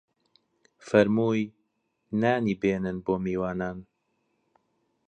فەرمووی: نانی بێنن بۆ میوانان